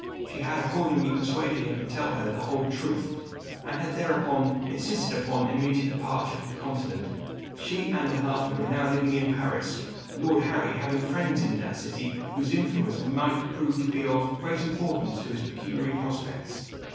She had accordingly persuaded him to tell her the whole truth, and had thereupon insisted on an immediate departure for the Continent. She and her husband were now living in Paris; Lord Harry having friends in that city whose influence might prove to be of great importance to his pecuniary prospects.